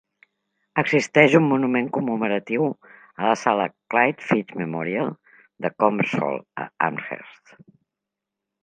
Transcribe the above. Existeix un monument commemoratiu a la sala "Clyde Fitch Memorial" de Converse Hall, a Amherst.